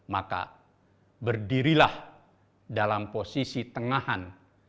maka berdirilah dalam posisi tengahan